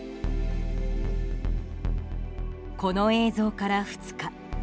この映像から２日。